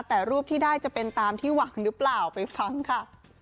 แต่รูปที่ได้จะเป็นตามที่หวังหรือเปล่าไปฟังค่ะ